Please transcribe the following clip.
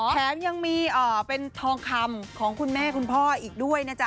แถมยังมีเป็นทองคำของคุณแม่คุณพ่ออีกด้วยนะจ๊